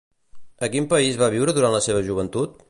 A quin país va viure durant la seva joventut?